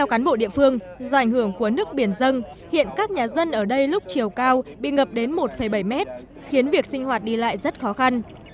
ảnh hưởng của nước biển dân hiện các nhà dân ở đây lúc chiều cao bị ngập đến một bảy mét khiến việc sinh hoạt đi lại rất khó khăn